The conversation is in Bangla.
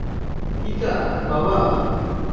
ইকা - বাবা?